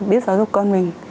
biết giáo dục con mình